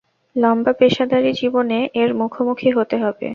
লম্বা পেশাদারী জীবনে, এর মুখোমুখি হতে হবে।